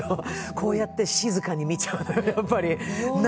こうやって静かに見ちゃうのよ、やっぱり。